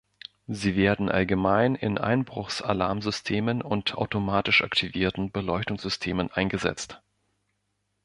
Sie werden allgemein in Einbruchs-Alarmsystemen und automatisch aktivierten Beleuchtungssystemen eingesetzt.